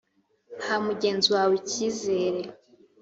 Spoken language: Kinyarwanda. Ha mugenzi wawe icyizere